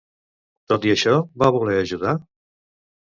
Tot i això, va voler ajudar?